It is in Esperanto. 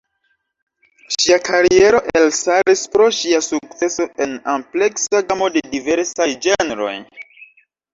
Ŝia kariero elstaris pro ŝia sukceso en ampleksa gamo de diversaj ĝenroj.